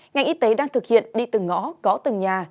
ngành y tế đang thực hiện đi từng ngõ gõ từng nhà